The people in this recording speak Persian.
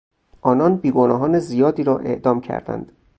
آنان بیگناهان زیادی را اعدام کردند.